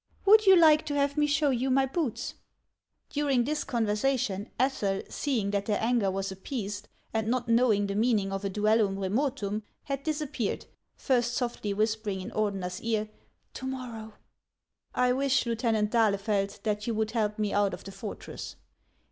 Would you like to have me show you my boots ?" During this conversation Ethel, seeing that their anger was appeased, and not knowing the meaning of a duellum remotum, had disappeared, first softly whispering in Ordener's ear, " To morrow." " I wish, Lieutenant d'Ahlefeld, that you would help me out of the fortress."